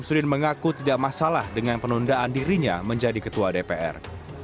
sudin mengaku tidak masalah dengan penundaan dirinya menjadi ketua dpr